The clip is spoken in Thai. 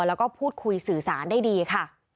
แล้วก็พูดคุยสื่อสารได้ดีค่ะ